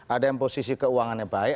ada yang posisi keuangannya baik